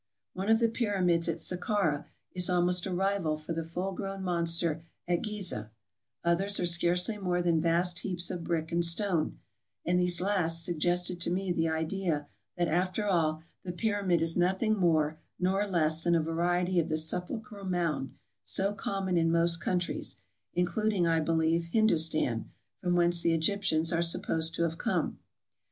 One of the pyramids at Sakkara is almost a rival for the full grown monster at Ghizeh; others are scarcely more than vast heaps of brick and stone ; and these last suggested to me the idea that, after all, the Pyramid is nothing more nor less than a variety of the sepulchral mound so common in most countries (including, I believe, Hindostan, from whence the Egyptians are supposed to have come).